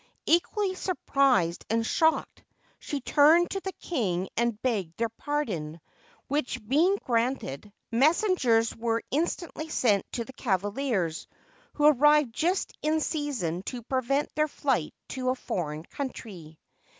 Equally sur prised and shocked, she turned to the king and begged their pardon; which being granted, messengers were in stantly sent to the cavaliers, who arrived just in season to prevent their flight to a foreign country.